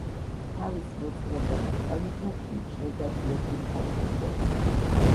თავის მოძღვრად და მასწავლებლად მიიჩნევდა გიორგი მთაწმიდელს.